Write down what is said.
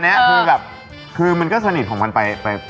แต่มีคู่จิ้นด้วยนะ